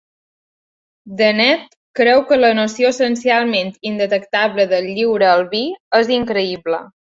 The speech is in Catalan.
Dennett creu que la noció essencialment "indetectable" del lliure albir és increïble.